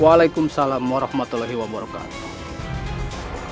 waalaikumsalam warahmatullahi wabarakatuh